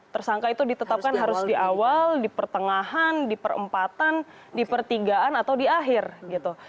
tersangka itu ditetapkan harus di awal di pertengahan di perempatan di pertigaan atau di akhir gitu